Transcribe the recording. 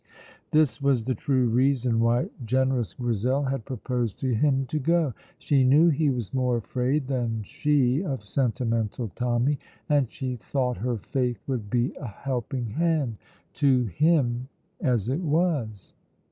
This was the true reason why generous Grizel had proposed to him to go. She knew he was more afraid than she of Sentimental Tommy, and she thought her faith would be a helping hand to him, as it was.